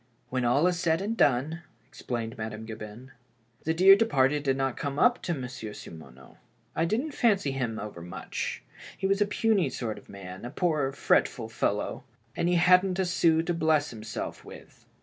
When all is said and done," explained Madame Gabin, '' the dear departed did not come up to Monsieur Simoneau, I didn't fancy him over much; he was a puny sort of a man, a poor, fretful fellow — and he hadn't a sou to bless himself with.